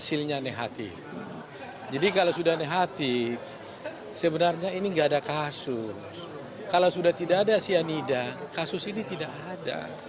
ini tidak ada kasus kalau sudah tidak ada sianida kasus ini tidak ada